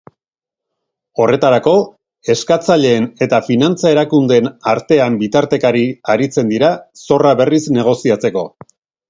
Horretarako, eskatzaileen eta finantza-erakundeen artean bitartekari aritzen dira, zorra berriz negoziatzeko.